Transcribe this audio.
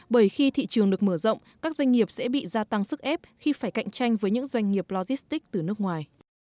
bởi khi thị trường được mở rộng các doanh nghiệp sẽ bị gia tăng sức ép khi phải cạnh tranh với những doanh nghiệp logistics từ nước ngoài